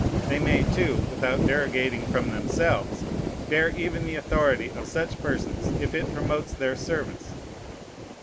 They may, too, without derogating from themselves, bear even the authority of such persons, if it promotes their service.